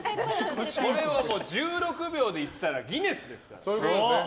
これは１６秒でいったらギネスですから。